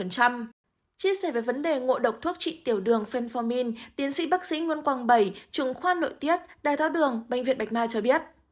chia sẻ về vấn đề ngộ độc thuốc trị tiểu đường fenformin tiến sĩ bác sĩ nguyên quang bảy trường khoan nội tiết đài tho đường bệnh viện bạch mai cho biết